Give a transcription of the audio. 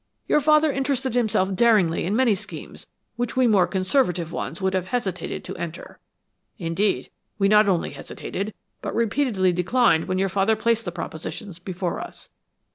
Your father interested himself daringly in many schemes which we more conservative ones would have hesitated to enter; indeed, we not only hesitated, but repeatedly declined when your father placed the propositions before us.